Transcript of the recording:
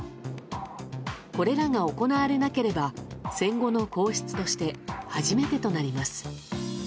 これらが行われなければ戦後の皇室として初めてとなります。